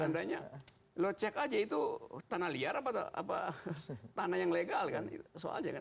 seandainya lo cek aja itu tanah liar apa tanah yang legal kan